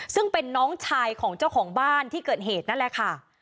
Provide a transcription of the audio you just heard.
ซึ่งเป็นน้องชายของเจ้าของบ้านที่เกิดเหตุนั่นแหละค่ะ